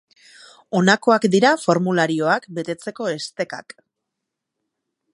Honakoak dira formularioak betetzeko estekak.